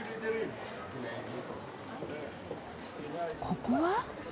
ここは？